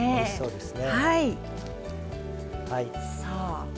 はいそうですね。